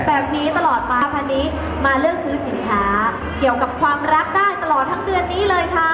แบบนี้ตลอดมาพันนี้มาเลือกซื้อสินค้าเกี่ยวกับความรักได้ตลอดทั้งเดือนนี้เลยค่ะ